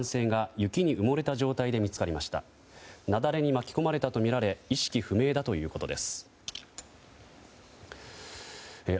雪崩に巻き込まれたとみられ意識不明だということです。